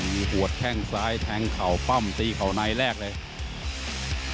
มีหัวแข้งซ้ายแทงเข่าปั้มตีเข่าในแรกเลย